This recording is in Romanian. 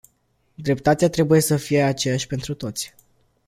Dreptatea trebuie să fie aceeași pentru toți.